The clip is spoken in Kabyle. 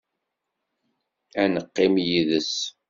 Ad neqqim yid-s.